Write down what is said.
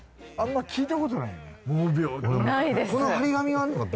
あんま聞いたことないよね